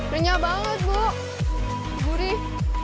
renyel banget bu gurih